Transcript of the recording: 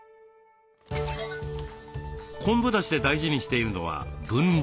昆布だしで大事にしているのは分量。